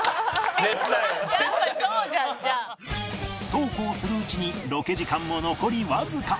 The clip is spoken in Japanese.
そうこうするうちにロケ時間も残りわずか